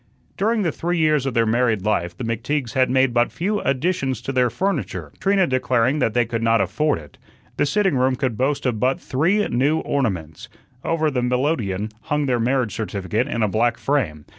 During the three years of their married life the McTeagues had made but few additions to their furniture, Trina declaring that they could not afford it. The sitting room could boast of but three new ornaments. Over the melodeon hung their marriage certificate in a black frame.